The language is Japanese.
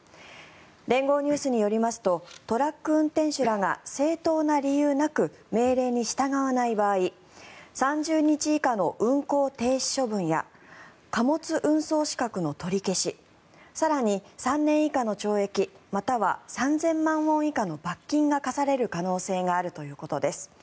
連合ニュースによりますとトラック運転手らが正当な理由なく命令に従わない場合３０日以下の運行停止処分や貨物運送資格の取り消し更に、３年以下の懲役または３０００万ウォン以下の罰金が科される可能性があるということです。